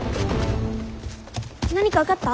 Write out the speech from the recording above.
何か分かった？